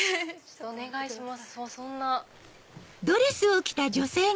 お願いします。